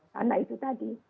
karena itu tadi